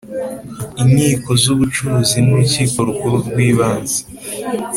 inkiko z ubucuruzi n urukiko rukuru rwibanze